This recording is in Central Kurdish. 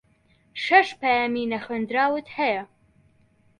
شەش پەیامی نەخوێندراوت ھەیە.